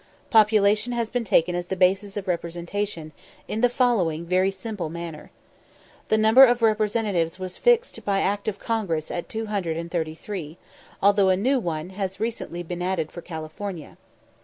Population has been taken as the basis of representation, in the following very simple manner. The number of Representatives was fixed by Act of Congress at 233, although a new one has recently been added for California.